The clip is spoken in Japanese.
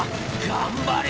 頑張れ］